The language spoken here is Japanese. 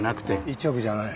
１億じゃないの。